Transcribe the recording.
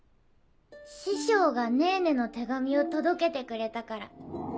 師匠がねぇねの手紙を届けてくれたから。